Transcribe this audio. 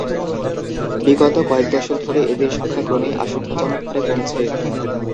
বিগত কয়েক দশক ধরে এদের সংখ্যা ক্রমেই আশঙ্কাজনক হারে কমছে।